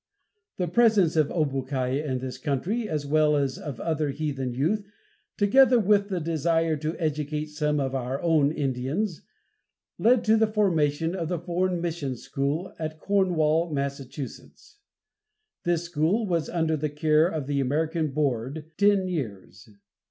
The presence of Obookiah in this country, as well as of other heathen youth, together with the desire to educate some of our own Indians, led to the formation of the Foreign Mission School, at Cornwall, Mass. This school was under the care of the American Board ten years.